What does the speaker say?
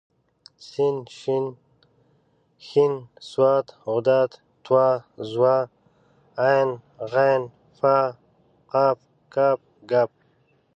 س ش ښ ص ض ط ظ ع غ ف ق ک ګ